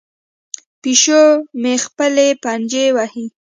پیشو مې خپلې پنجې وهي.